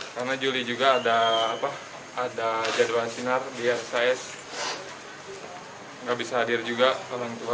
karena juli juga ada jadwal sinar biar saya nggak bisa hadir juga kalau yang tua